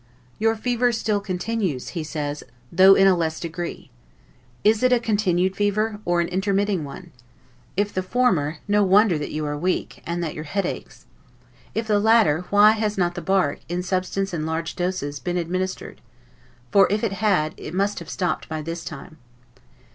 YOUR FEVER STILL CONTINUES, he says, THOUGH IN A LESS DEGREE. Is it a continued fever, or an intermitting one? If the former, no wonder that you are weak, and that your head aches. If the latter, why has not the bark, in substance and large doses, been administered? for if it had, it must have stopped it by this time.